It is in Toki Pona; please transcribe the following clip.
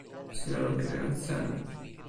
sina lukin e jan seme?